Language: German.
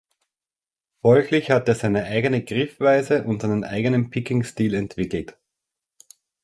Folglich hat er seine eigene Griffweise und seinen eigenen Picking-Stil entwickelt.